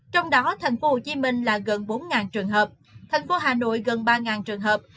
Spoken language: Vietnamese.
trong đó thành phố hồ chí minh là gần bốn trường hợp thành phố hà nội gần ba trường hợp